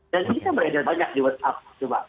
dan ini kan beredar banyak di whatsapp